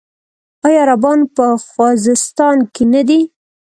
آیا عربان په خوزستان کې نه دي؟